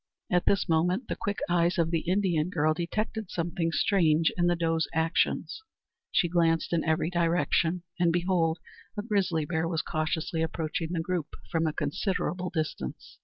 At this moment the quick eyes of the Indian girl detected something strange in the doe's actions. She glanced in every direction and behold! a grizzly bear was cautiously approaching the group from a considerable distance.